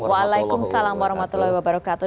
waalaikumsalam warahmatullahi wabarakatuh